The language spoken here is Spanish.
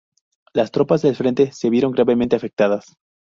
Las tropas del frente se vieron gravemente afectadas.